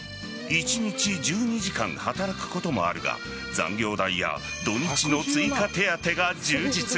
一日１２時間働くこともあるが残業代や土日の追加手当が充実。